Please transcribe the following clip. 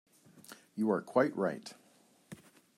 You are quite right.